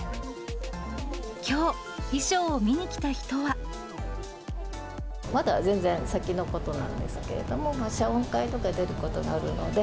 きょう、まだ全然先のことなんですけれども、謝恩会とか出ることがあるので。